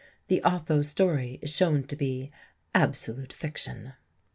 The Otho story is shown to be "absolute fiction."